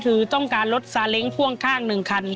คือต้องการรถซาเล้งพ่วงข้าง๑คัน